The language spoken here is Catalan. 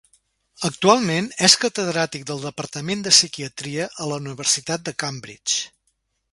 Actualment, és catedràtic del departament de Psiquiatria a la Universitat de Cambridge.